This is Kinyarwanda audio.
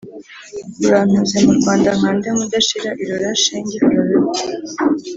Urantuze mu Rwanda nkandeMudashira irora, shenge urabehooo